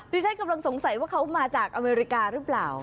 ที่ฉันกำลังสงสัยว่าเขามาจากอเมริกาหรือเปล่า